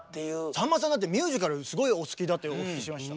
さんまさんだってミュージカルすごいお好きだというふうにお聞きしました。